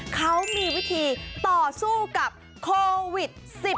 เขามีวิธีต่อสู้กับโควิด๑๙